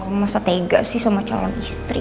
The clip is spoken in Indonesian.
masa tega sih sama calon istri